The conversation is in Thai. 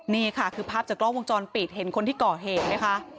นี่ค่ะคือภาพจากกล้องวงจรปิดเห็นคนที่ก่อเหตุไหมคะ